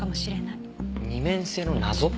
二面性の謎？